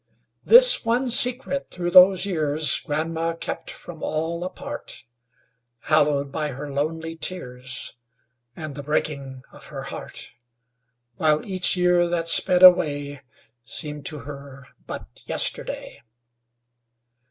This one secret through those years Grandma kept from all apart, Hallowed by her lonely tears And the breaking of her heart; While each year that sped away Seemed to her but yesterday.